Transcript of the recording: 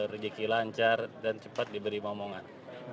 rezeki lancar dan cepat diberi ngomongan